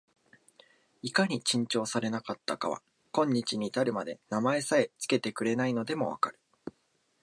いかに珍重されなかったかは、今日に至るまで名前さえつけてくれないのでも分かる